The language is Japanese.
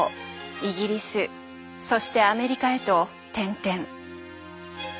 イギリスそしてアメリカへと転々。